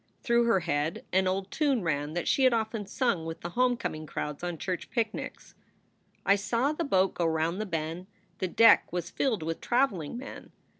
Through her head an old tune ran that she had often sung with the home coming crowds on church picnics: I saw the boat go round the ben*, The deck was filled with traveling men.